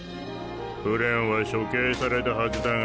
フレンは処刑されたはずだが？